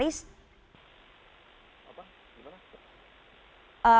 dan juga komisaris